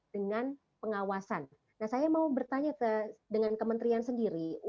dengan pengawasan nah saya mau bertanya dengan kementerian sendiri